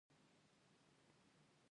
د هرم د قاعدې مساحت دیارلس ایکړه ځمکه ده.